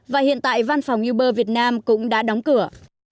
và hiện tại văn phòng uber việt nam cũng đã đóng cửa